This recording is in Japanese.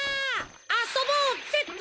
あそぼうぜっと。